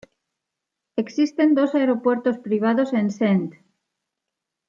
Existen dos aeropuertos privados en St.